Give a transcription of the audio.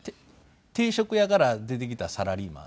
定食屋から出てきたサラリーマン。